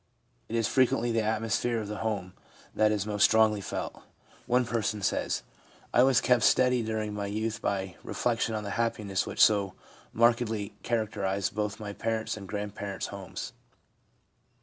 It is frequently the atmosphere of the home that is most strongly felt. One person says :' I was kept steady during my youth by reflection on the happiness which so markedly characterised both my parents' and grandparents' homes.'